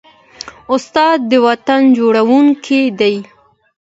استاد د وطن جوړوونکی دی.